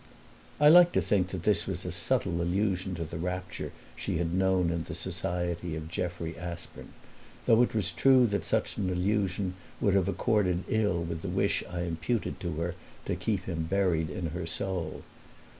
I liked to think that this was a subtle allusion to the rapture she had known in the society of Jeffrey Aspern though it was true that such an allusion would have accorded ill with the wish I imputed to her to keep him buried in her soul.